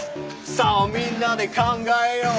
「さあみんなで考えよう」